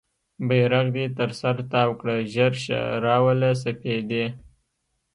بیرغ دې تر سر تاو کړه ژر شه راوله سپیدې